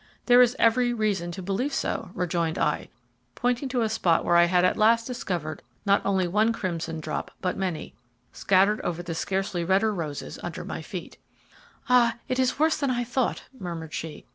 "There is every reason to believe so," rejoined I, pointing to a spot where I had at last discovered not only one crimson drop but many, scattered over the scarcely redder roses under my feet. "Ah, it is worse than I thought," murmured she.